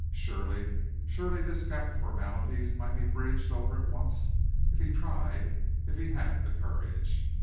Surely, surely this gap of formalities might be bridged over at once if he tried if he had the courage.